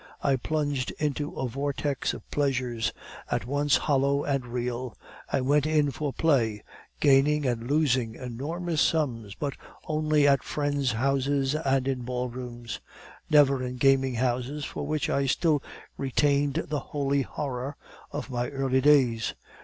I plunged into a vortex of pleasures, at once hollow and real. I went in for play, gaining and losing enormous sums, but only at friends' houses and in ballrooms; never in gaming houses, for which I still retained the holy horror of my early days.